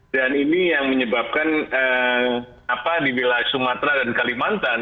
ini yang menyebabkan di wilayah sumatera dan kalimantan